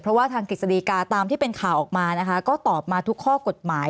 เพราะว่าทางกฤษฎีกาตามที่เป็นข่าวออกมานะคะก็ตอบมาทุกข้อกฎหมาย